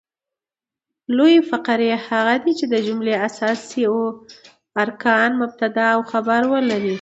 لویي فقرې هغه دي، چي د جملې اساسي ارکان مبتداء او خبر ولري.